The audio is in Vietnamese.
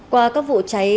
qua các vụ cháy